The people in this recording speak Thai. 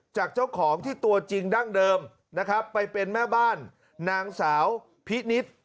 จากเจ้าของที่ตัวจริงดั้งเดิมนะครับไปเป็นแม่บ้านนางสาวพินิษฐ์